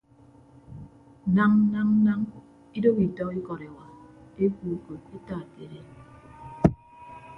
Nañ nañ nañ idooho itọk ikọt ewa ekuo ukot etaat ke edet.